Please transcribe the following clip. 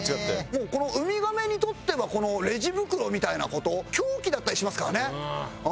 もうこのウミガメにとってはレジ袋みたいな事凶器だったりしますからね。